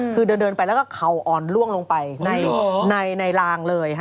คือเดินไปแล้วก็เข่าอ่อนล่วงลงไปในรางเลย